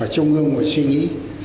mà trung ương phải suy nghĩ